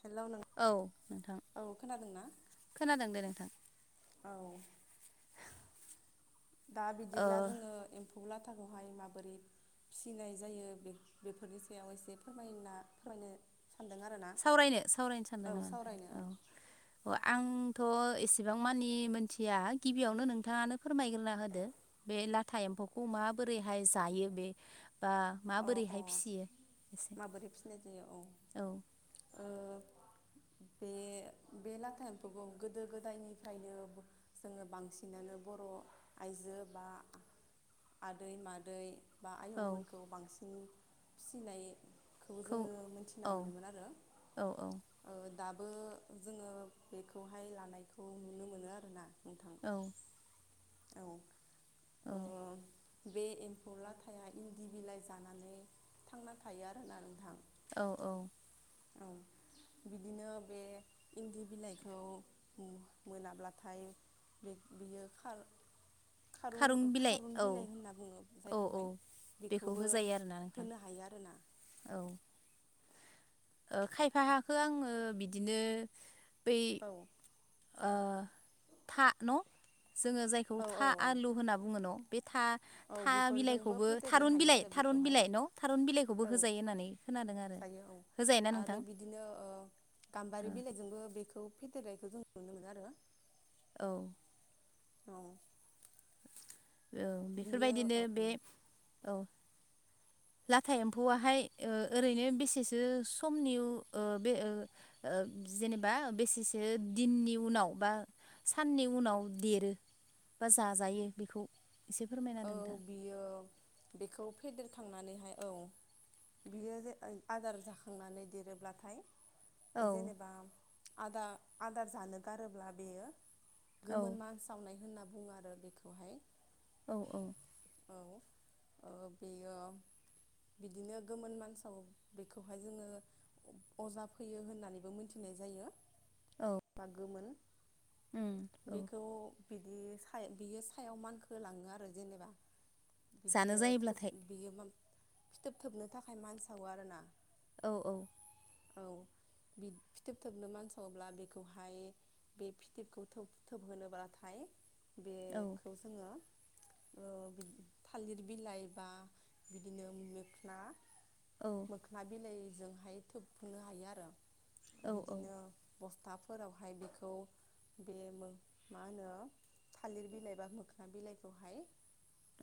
Hello नों औ नोंथां औ खोनादोंना खोनादों दे नोंथां। औ दा ओ बिदिब्ला जोङो एम फौ लाथाखौहाय माबोरै फिसिनाय जायो बे बेफोरनि सायाव एसे फोरमायना फोर होनो सावरायनो सावरायनो सानदों नामा नोंथां सावरायनो औ औ आं थ' एसेबां मानि मोनथिया गिबियावनो नोंथाङानो फोरमायग्रोना होदो बे लाथा एम फौ खौ माबोरैहाय जायो बे बा औ अ माबोरैहाय फिसियो एसे माबोरै फिसिनाय जायो औ। ओ बे बे लाथा एम्फौखौ गोदो गोदायनिफ्रायनो जोङो बांसिनानो बर' आइजो बा आदै मादै बा औ आयंमोन सिन फिसिनाय खौ जोङो मोनथिना औ मोनोमोन आरो औ औ दा बो जोङो बेखौहाय लानायखौ नुनो मोनो आरोना। नोंथां औ औ औ ओ बे एम्फौ लाथाया इन्दि बिलाइ जानानै थांना थायो आरो ना नोंथां। औ औ। औ बिदिनो बे इन्दि बिलाइखौ मोनाब्लाथाय बे बियो खा खारुं बिलाइ खारुन औ बिलाइ होनना बुङो औ औ जायखौहाय। बेखौ बिखौबो होजायो आरोना नोंथां होनो हायो आरोना। औ ओ खायफाहाखो आङो बिदिनो बै औ ओ था न' जोङो जायखौ औ था औ औ आलु होनना बुङो न' बे था औ था बेफोरजोंबो बिलाइखौबो फेदेरनो थारुन हायो बिलाइ आरो थारुन बेखौहाय बिलाइ न' थारुन बिलाइखौबो औ होजायो होननानै खोना जायो औ आरो बिदिनो ओ गाम्बारि बिलाइजोंबो बेखौ फि [unintelligible] खौ जों नुनो मोनो आरो। औ औ औ बियो बेफोरबायदिनो औ बे औ लाथा एम्फौआहाय ओ ओरैनो बेसेसो समनि ओ बे ओ ओ ओ जेनेबा बेसेसो दिननि उनाव बा साननि उनाव देरो बा जाजायो बेखौ एसे फोरमायना औ होदो नोंथां बियो बेखौ फेदेरखांनानैहाय औ बियो जे ओइ आदार जाखांनानै देरोब्लाथाय औ ओ जेनेबा आदा आदार जानो गारोब्ला बेयो औ गोमोन मान सावनाय होनना बुङो आरो बेखौहाय औ औ औ ओ बेयो बिदिनो गोमोन मानसाव बेखौहाय जोङो अजा फैयो होननानैबो मोनथिनो नाय जायो औ बा गोमोन उम औ बेखौ बिदि साय बियो सायाव मानखोलाङो आरो जेनेबा। जानो बिदिनो थोब जायोब्लाथाय बियो फिथोब थोबनो थाखाय मानसावो आरोना औ औ औ फिथोब थोबनो मानसाब्ला बेखौहाय बे फिथोबखौ थोब थोब होनोब्लाथाय औ बेखौ जोङो ओ थालिर बिलाइ बा बिदिनो मोखना औ मोखना बिलाइजोंहाय थोबहोनो हायो आरो औ बिदिनो बस- थाफोरावहाय बेखौ बे मा होनो थालिर बिलाइ बा मोखोना बिलाइखौहाय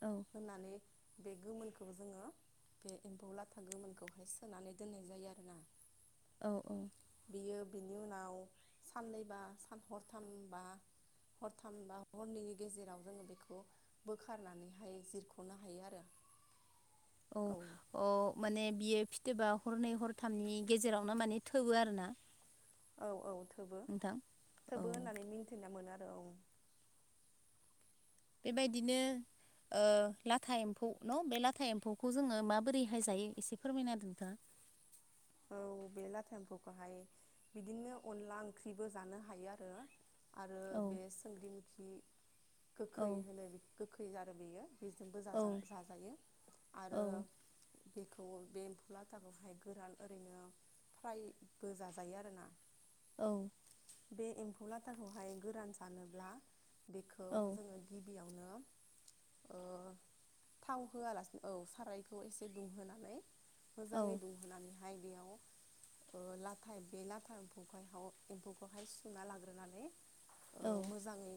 औ होनानै बे गोमोनखौ जोङो बे एम्फौ लाथा गोमोनखौहाय सोनानै दोननाय जायो आरोना औ औ बियो बिनि उनाव साननैबा सान हरथामबा हरथाम बा हरनैनि गेजेराव जोङो बेखौ बोखारनानै हायो जिरख'नो हायो आरो औ अ माने बियो फि फिथोबा हरनै हरथामनि गेजेरावनो माने थोबो आरो ना औ औ थोबो औ थोबो होननानै मिन्थिना मोनो आरो औ बेबायदिनो ओ लाथा एम्फौ न' बे लाथा एम्फौखौ जोङो माबोरैहाय जायो एसे फोरमायना नोंथाङा [inaudible] औ बे लाता एम्फुखौहाय बिदिनो अनला ओंख्रिबो जानो हायो आरो आरो औ बे सोंग्रिमोखि औ गोखै होनो गोखै आरो बेयो बेजोंबो औ जाजायो आरो औ बेखौ बे एम्फौ लाथाखौहाय गोरान ओरैनो फ्रायबो जाजायो आरोना औ बे एम्फौ लाथाखौहाय गोरान सानोब्ला बेखौ औ जोङो गिबियाव नो ओ थाव होआलासिनो औ सारायखौ एसे दुंहोनानै औ मोजाङै दुंहोनानै हाय बेयाव ओ लाथाया बे लाथाखौ एम्फौखौहाय सुना लाग्रोनानै ओ औ मोजाङै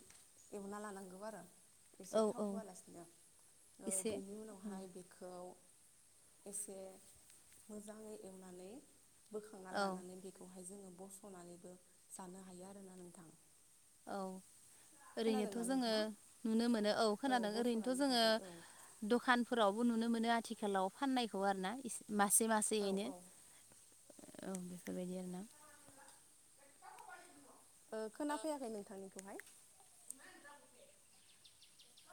एवना लानांगौ आरो एसे औ थाव औ होआलासिनो ओ एसे बेनि औ उनावहाय बेखौ एसे मोजाङै एवनानै बोखांना औ लानानै बेखौहाय जोङो बस'नानैबो जानो हायो आरोना नोंथां औ ओरैनोथ' खोनादोंना जोङो नोंथाङा नुनो मोनो औ खोनादों ओरैनोथ' बस'नानैबो जोङो जाजायो दखानफोरावबो नुनो मोनो आ थिखालाव फाननायखौ आरो ना मासे औ मासेयैनो औ औ बेफोरबायदि आरोना ओ खोनाफैयाखै नोंथांनिखौहाय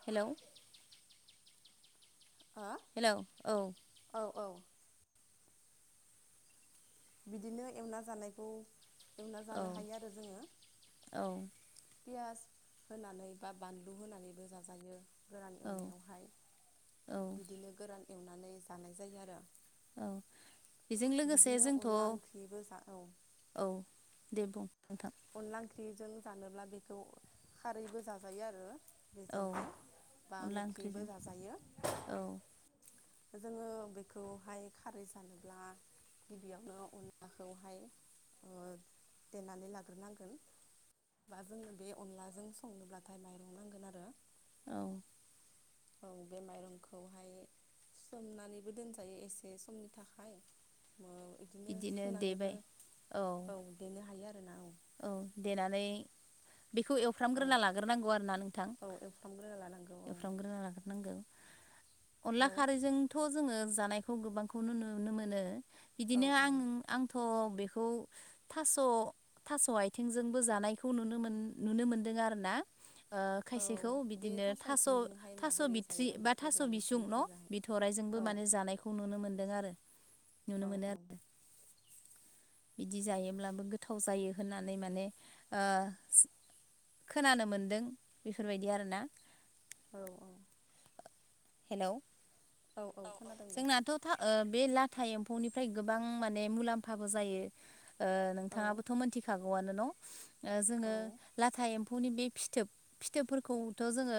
हेलौ ओ हेलौ औ औ औ बिदिनो एवना जानायखौ एवना औ जानो हायो आरो जोङो औ पियास होनानै बा बानलु होनानैबो जाजायो गोरान औ एवनायावहाय औ बिदिनो गोरान एवनानै जानाय जायो आरो औ बेजों लोगोसे बिदिनो जों अनला ओंख्रिबो जा औ दे बुं नोंथां अनला ओंख्रिजों जानोब्ला बेखौ खारैबो जाजायो आरो औ बेजोंहाय बा अनला मोखिबो ओंख्रिजों जाजायो औ जोङो बेखौहाय खारै जानोब्ला गिबियावनो अनलाखौहाय देनानै लाग्रोनांगोन बा जोंनो बे अनलाजों संनोब्लाथाय माइरं नांगोन आरो औ औ बे माइरंखौहाय सोमनानैबो दोनजायो एसे समनि थाखाय ओ बिदिनो सुनानैबो औ देनो हायो आरो औ देनानै बेखौ औ एवफ्रामग्रोना लाग्रोनांगौ आरोना नोंथां औ एवफ्रामग्रोना लानांगौ औ एवफ्रामग्रोना लाग्रोनांगौ अनला औ खारैजोंथ' जोङो जानायखौ गोबांखौनो नुनो मोनो। औ बिदिनो औ आं आंथ' बेखौ थास' थास' आथिंजोंबो जानायखौ नुनो मोन नुनो मोनदों आरो ना ओ औ खायसेखौ बे बिदिनो थास' आथिंजोंहाय थास' माबोरै जायो बिथ्रि होमबा बा थास' अब्ला बिसुं न' नोंसोरनिथिंजाहाय बिथराय जों औ आंबो माने जानायखौ नुनो मोन्दों आरो नुनो औ मोनो आरो औ बिदि जायोब्लाबो गोथाव जायो होननानै माने ओ खोनानो मोनदों बेफोरबायदि आरोना औ औ हेलौ औ औ खोनादों दे जोंनाथ' था ओ बे लाथा एम्फौनिफ्राय गोबां माने मुलाम्फाबो जायो ओ औ नोंथाङाबोथ' मोनथिखा गौआनो न' ओ जोङो लाथा एम फौनि बे फिथोब फिथोबफोरखौथ' जोङो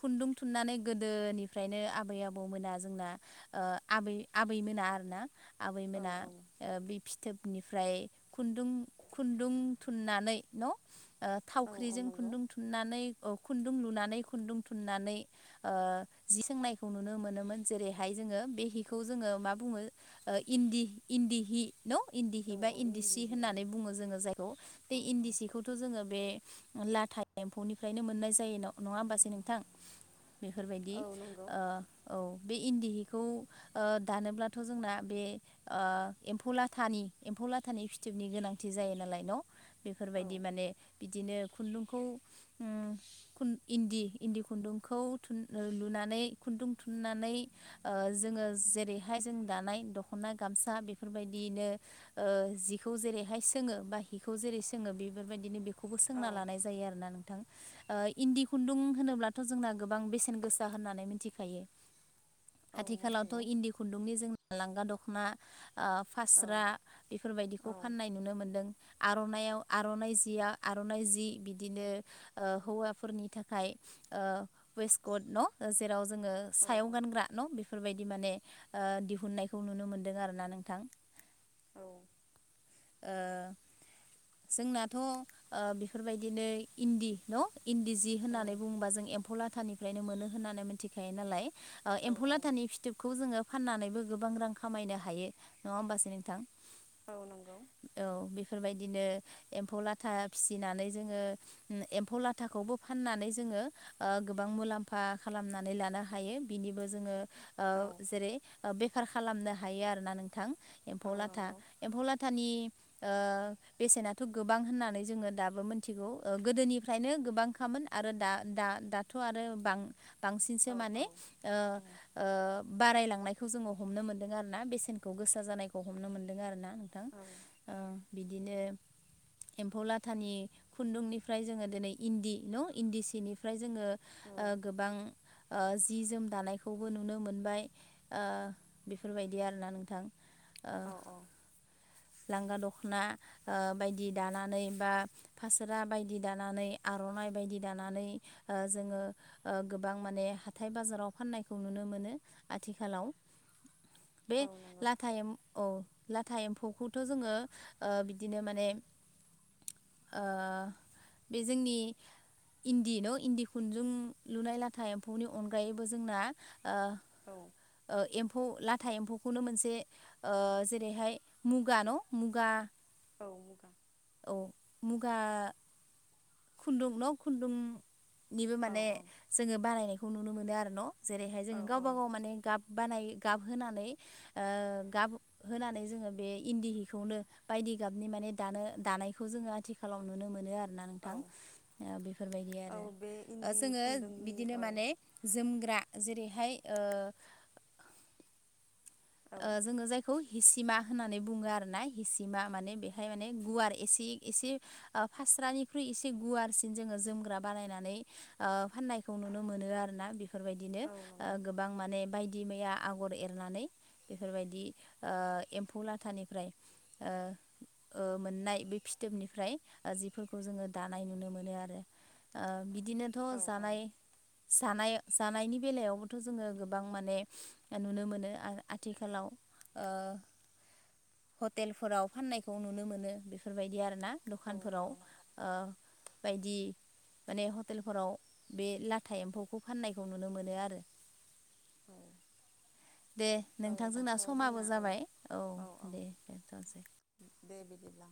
खुन्दुं थुननानै गोदोनि ओमफ्रायनो आबै आबौ मोना जोंना आबै आबै मोना आरो ना औ आबैमोना औ ओ बे फिथ थोबनिफ्राय खुन्दुं खुन्दुं थुननानै न' ओ औ औ थावख्रिजों नंगौ खुन्दुं थुननानै खुन्दुं लुनानै खुन्दुं थुननानै ओ जि सोंनायखौ नुनो मोनोमोन जेरैहाय जोङो बे हिखौ जोङो मा बुङो ओ इन्दि इन्दि हि न' इन्दि औ हि बा औ इन्दि सि इन्दिनि जि औ होननानै बुङो जोङो जायखौ बे औ औ इन्दि सिखौथ' जोङो बे लाथा एम्फौनिफ्रायनो मोननाय जायो नङा होमबासो नोंथां बेफोरबायदि औ नंगौ ओ औ बे इन्दि हिखौ ओ दानोब्लाथ' जोंना बे ओ एम्फौ लाथानि एम्फौ लाथा फिथोबनि गोनांथि जायो नालाय न' औ बेफोरबायदि माने बिदिनो खुन्दुंखौ ओम इन्दि इन्दि खुन्दुंखौ थुन ओ लुनानै खुन्दुं थुननानै ओ जों जेरैहाय जों दानाय दखना गामसा बेफोरबायदिनो ओ जिखौ जेरैहाय सोङो बा हिखौ जेरै सोङो बेफोरबायदिनो बे खौबो औ सोंना लानाय जायो आरोना नोंथां ओ इन्दि खुन्दुं होनोब्लाथ' जोंना गोबां बेसेन गोसा होननानै मिथिखायो औ आथिलावथ' मिथिगौ इन्दि खुुनदुंनि जों लांगा दख'ना ओ औ फास्रा बेफोरबायदिखौ औ फाननाय नुनो मोन्दों आर'नायाव आर'नाइ जिया आर'नाइ जि बिदिनो हौवाफोरनि थाखाय ओ वेस्कट न' जेराव जोङो औ सायाव गानग्रा न' बेफोरबायदि माने ओ दिहुननायखौ नुनो मोनदों आरो ना नोंथां औ ओ जोंनाथ' ओ बेफोरबायदिनो इन्दि न' इन्दि जि होननानै बुङोबा जों एम्फौ लाथानिफ्रायनो मोनो होननानै मिथिखायो नालाय ओ एम्फौ औ लाथानि फिथोबखौ जोङो फाननानैबो गोबां रां खामायनो हायो नङा होमबासो नोंथां औ औ नंगौ औ बेफोरबायदिनो एम्फौ लाथा फिसिनानै जोङो एम्फौ लाथाखौबो फाननानै जोङो ओ गोबां मुलाम्फा खालामनानै लानो हायो बिनिबो जोङो ओ औ जेरै बेफार खालामनो हायो आरोना नोंथां एम्फौ औ लाथा नंगौ एम्फौ लाथानि ओ बेसेनाथ' गोबां होननानै जोङो दाबो मिथिगौ ओ गोदोनिफ्रायनो गोबां खामानि आरो दा-दा -दाथ' आरो बांसिनसो औ औ माने ओ ओ बारायलांनायखौ जोङो हमनो मोनदों आरो ना बेसेनखौ गोसा जानायखौ हमनो मोनदों आरो ना नोंथां ओ बिदिनो एम्फौ लाथानि खुन्दुंनिफ्राय जोङो दिनै इन्दि न' इन्दि सिनिफ्राय जोङो औ ओ गोबां ओ जि जोम दानायखौबो नुनो मोनबाय ओ बेफोरबायदि आरोना नोंथां ओ औ औ लांगा दख'ना ओ बायदि दानानै बा फासोरा बायदि दानानै आ आर'नाइ बायदि दानानै ओ जोङो ओ गोबां माने हाथाय बाजाराव फाननायखौ नुनो मोनो नो आथिखालाव [inaudible] बे औ नंगौ लाथा एम्फौ औ लाथा एम्फौखौ थ' जोङो ओ बिदिनो माने ओ बे जोंनि इन्दि न' इन्दि खुन्दुं लुनाय लाथा एम्फौनि अनगायैबो जोंना ओ औ ओ एम्फौ लाथा एम्फौखौनो मोनसे ओ जेरैहाय मुगा न' मुगा औ मुगा औ मुगा खुन्दुं न' खुन्दुं निबो औ माने जोङो बानायनायखौ नुनो मोनो आरो न' जेरैहाय औ जोङो गावबा गाव माने गाब बानाय गाबहोनानै ओ गाबहोनानै जोङो बे इन्दि हिखौनो बायदि जिगाबनि माने दानो दानायखौ जोङो आथिखालाव नुनो मोनो आरो ना औ नोंथां बेफोरबायदि औ आरो बे ओ इन्दि जोङो खुन्दुंनि बिदिनो औ माने जोमग्रा जेरैहाय ओ औ ओ जोङो जायखौ हिसिमा होननानै बुङो आरो ना हिसिमा माने बेहाय माने गुवार एसे एसे ओ फास स्रानिख्रुइ एसे गुवारसिन जोङो जोमग्रा बानायनानै ओ फाननायखौ नुनो मोनो आरोना बे बेफोरबायदिनो औ नंगौ गोबां माने बायदि मैया आगर एरनानै बेफोरबायदि ओ एम्फौ लाथानिफ्राय ओ ओ मोननाय बे फिथोबनिफ्राय ओ जिफोरखौ जोङो दानाय नुनो मोनो आरो ओ बि बिदिनोथ' औ औ जानाय जानाय जानायनि बेलायावबोथ' जोङो गोबां माने नुनो मोनो आथिखालाव ओ हटेलफोराव फाननायखौ नुनो मोनो बेफोरबायदि आरो ना औ दखानफोराव नंगौ ओ बायदि माने हटेलफोराव बे लाथा एम्फौखौ फाननायखौ नुनो मोनो आरो औ दे औ नोंथांजोंना दाथ' समाबो जोंना औ जाबाय औ दे दोनथ'नोसै दे बिदिब्ला